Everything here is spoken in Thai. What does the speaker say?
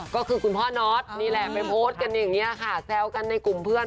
ก็คือคุณพ่อน็อตนี่แหละไปโพสต์กันอย่างนี้ค่ะแซวกันในกลุ่มเพื่อน